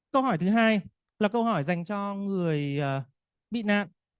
câu hỏi thứ hai là câu hỏi dành cho người bị nạn